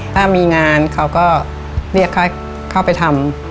ถ้ามีงานเขาก็เรียกเข้าไปทำ